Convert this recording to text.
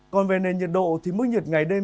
còn về nền nhiệt độ thì mức nhiệt ngày đêm